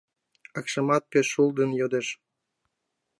Акшымат пеш шулдын йодеш.